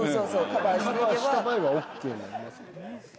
カバーした場合はＯＫなりますもんね。